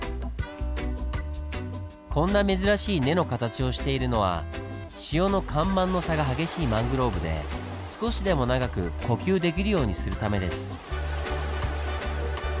こんな珍しい根の形をしているのは潮の干満の差が激しいマングローブで少しでも長く呼吸できるようにするためです。